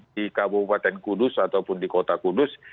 di kabupaten kudus ataupun di kota kudus